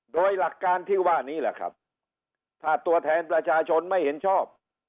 โดยหลักการที่ว่านี้แหละครับถ้าตัวแทนประชาชนไม่เห็นชอบ